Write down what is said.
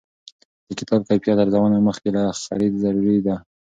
د کتاب کیفیت ارزونه مخکې له خرید ضروري ده.